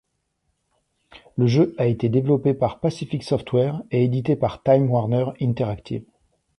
Le jeu a été développé par Pacific Software et édité par Time Warner Interactive.